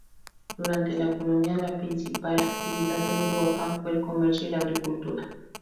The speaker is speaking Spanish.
Durante la colonia la principal actividad de Uruapan fue el comercio y la agricultura.